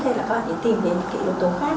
hay là các bạn tìm đến kỷ lục tổng khác